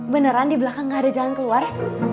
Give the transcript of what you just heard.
beneran di belakang gak ada jalan keluar